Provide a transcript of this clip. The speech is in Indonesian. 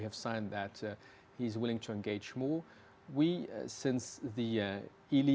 karena tahun depan akan ada beberapa pemilu